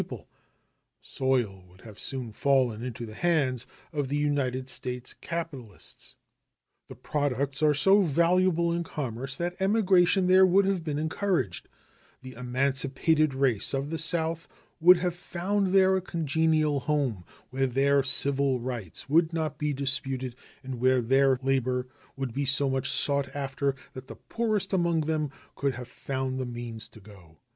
The soil would have soon fallen into the hands of United States capitalists. The products are so valuable in commerce that emigration there would have been encouraged; the emancipated race of the South would have found there a congenial home, where their civil rights would not be disputed and where their labor would be so much sought after that the poorest among them could have found the means to go.